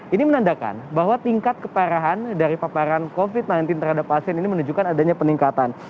ini menandakan bahwa tingkat keparahan dari paparan covid sembilan belas terhadap pasien ini menunjukkan adanya peningkatan